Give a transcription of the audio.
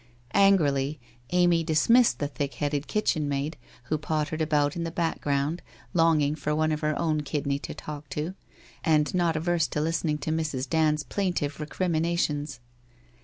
An grily Amy dismissed the thick headed kitchen maid who pottered about in the background longing for one of her own kidney to talk to, and not averse to listening to Mrs. Dand's plaintive recriminations.